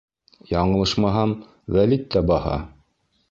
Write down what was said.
Яңылышмаһам, Вәлит тә баһа.